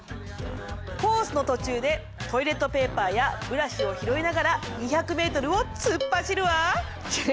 コースの途中でトイレットペーパーやブラシを拾いながら２００メートルを突っ走るわ。